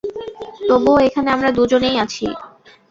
তবুও এখানে আমরা দুজনেই আছি।